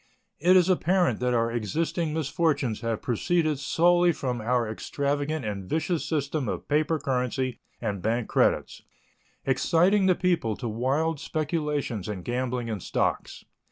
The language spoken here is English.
It is apparent that our existing misfortunes have proceeded solely from our extravagant and vicious system of paper currency and bank credits, exciting the people to wild speculations and gambling in stocks.